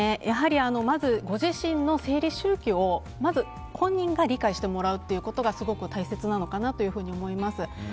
まず、ご自身の生理周期を本人が理解してもらうことがすごく大切なのかなと思います。